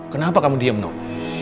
kenapa kamu diam noh